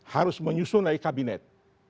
harus menyusun dari kabinet